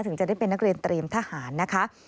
ถึงจะได้เป็นนักเรียนเตรียมทหารนะคะ